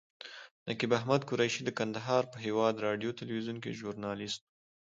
نقیب احمد قریشي د کندهار په هیواد راډیو تلویزیون کې ژورنالیست و.